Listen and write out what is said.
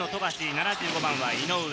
７５番は井上。